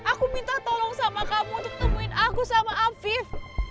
aku minta tolong sama kamu untuk temuin aku sama afif